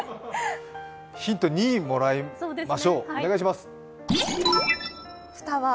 ヒント２もらいましょう。